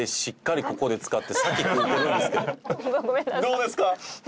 どうですか？